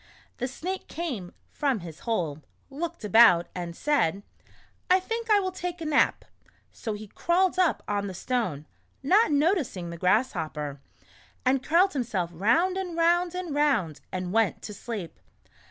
The Snake came from his hole, looked about, and said: "I think I will take a nap." So he crawled up on the stone (not noticing the Grass hopper) and curled himself round and round and round and went to sleep.